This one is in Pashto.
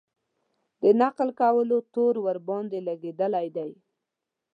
د نقل کولو تور ورباندې لګېدلی دی.